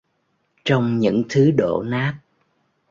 Trong những thứ đổ nát